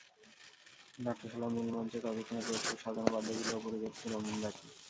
নাট্যশালার মূল মঞ্চে ততক্ষণে প্রস্তুত সাজানো বাদ্যগুলো, ওপরে জ্বলছে রঙিন বাতি।